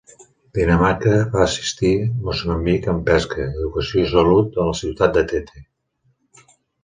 Dinamarca va assistir Moçambic amb pesca, educació i salut a la ciutat de Tete.